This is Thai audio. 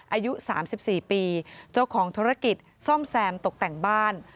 อายุ๓๔ปีเจ้าของธุรกิจซ่อมแซมตกแต่งบ้าน